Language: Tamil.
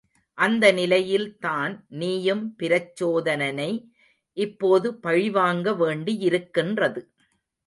அந்த நிலையில்தான் நீயும் பிரச்சோதனனை இப்போது பழிவாங்க வேண்டியிருக்கின்றது.